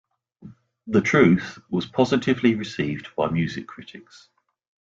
"The Truth" was positively received by music critics.